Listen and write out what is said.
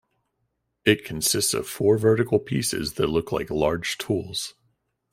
It consists of four vertical pieces that look like large tools.